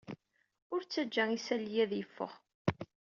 Ur ttajja isali-a ad yeffeɣ.